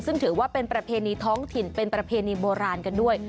ซึ่งถือว่าเป็นประเพณีท้องถิ่นเป็นประเพณีโบราณกันด้วย